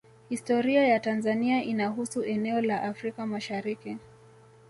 Historia ya Tanzania inahusu eneo la Afrika Mashariki